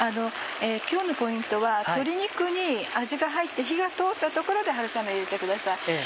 今日のポイントは鶏肉に味が入って火が通ったところで春雨入れてください。